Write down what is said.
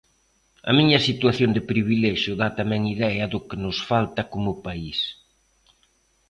A miña situación de privilexio dá tamén idea do que nos falta como país.